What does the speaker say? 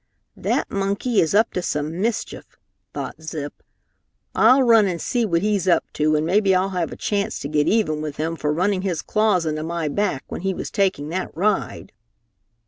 "That monkey is up to some mischief," thought Zip. "I'll run and see what he's up to, and maybe I'll have a chance to get even with him for running his claws into my back when he was taking that ride!"